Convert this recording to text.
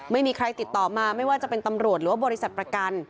ไม่มีใครติดต่อมาไม่ว่าจะเป็นตำรวจหรือว่าบริษัทประกัน